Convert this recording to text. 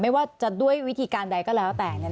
ไม่ว่าจะด้วยวิธีการใดก็แล้วแต่